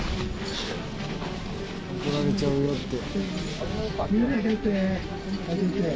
「怒られちゃうよって」